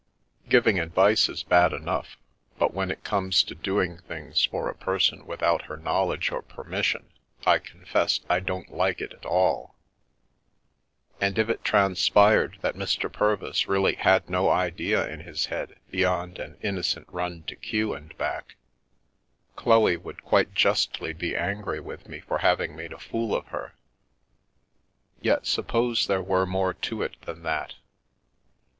Giving ad vice is bad enough, but when it came to doing things for a person without her knowledge or permission I confess I didn't like it at all. And if it transpired that Mr. Purvis really had no idea in his head beyond an innocent run to Kew and back Chloe would quite justly be angry with me for having made a fool of her. Yet — suppose there were more to it than that?